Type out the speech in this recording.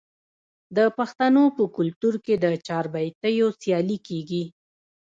د پښتنو په کلتور کې د چاربیتیو سیالي کیږي.